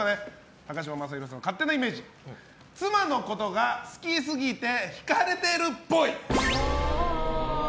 高嶋政宏さんの勝手なイメージ妻のことが好き過ぎて引かれてるっぽい。